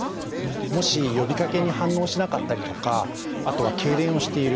もし呼びかけに反応しなかったりとかあとはけいれんをしてる。